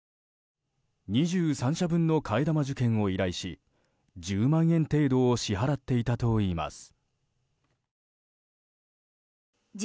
２３社分の替え玉受験を依頼し１０万円程度を支払っていたといいます。